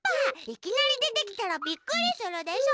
いきなりでてきたらびっくりするでしょ！